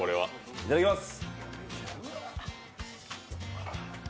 いただきます。